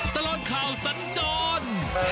ตลอดข่าวสัญจร